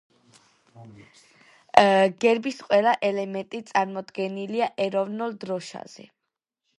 გერბის ყველა ელემენტი წარმოდგენილია ეროვნულ დროშაზე.